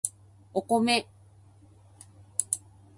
お米